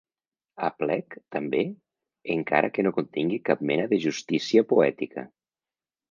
Aplec, també, encara que no contingui cap mena de justícia poètica.